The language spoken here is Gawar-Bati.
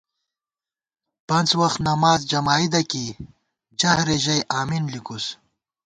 پنڅ وخت نماڅ جمائدہ کېئی جہرے ژَئی امین لِکُس